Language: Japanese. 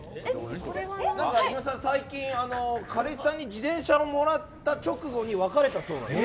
井上さん、最近彼氏さんに自転車をもらった直後に別れたそうなんです。